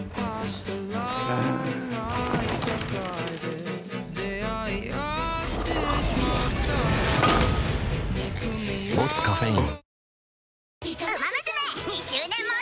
うん「ボスカフェイン」